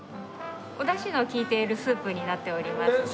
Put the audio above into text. おだしの利いているスープになっておりますね。